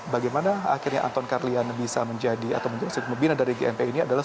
bagaimana akhirnya anton karlian bisa menjadi atau mungkin pembina dari gmp ini adalah